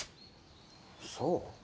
そう？